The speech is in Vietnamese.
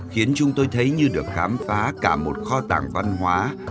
khiến chúng tôi thấy như được khám phá cả một kho tàng văn hóa